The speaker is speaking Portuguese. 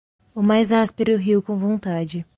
O mais áspero riu com vontade.